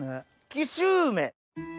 紀州梅！